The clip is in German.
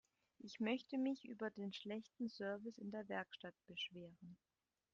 Ich möchte mich über den schlechten Service in der Werkstatt beschweren.